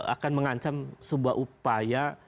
akan mengancam sebuah upaya